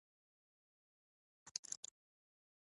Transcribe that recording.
ننګرهار د افغانانو د فرهنګي پیژندنې برخه ده.